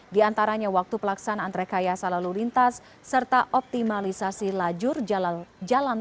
di antaranya waktu pelaksanaan rekayasa lalu lintas serta optimalisasi lajur jalan